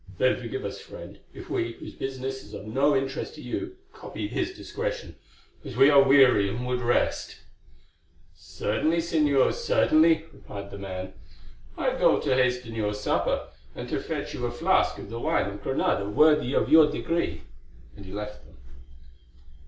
"Then forgive us, friend, if we, whose business is of no interest to you, copy his discretion, as we are weary and would rest." "Certainly, Señors—certainly," replied the man; "I go to hasten your supper, and to fetch you a flask of the wine of Granada worthy of your degree," and he left them.